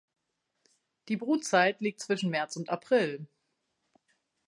Die Brutzeit liegt zwischen März und April.